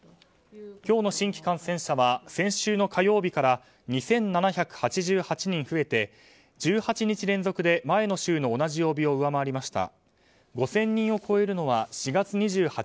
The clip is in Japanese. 今日の新規感染者は先週の火曜日から２７８８人増えて１８日連続で前の週の同じ曜日を上回りました。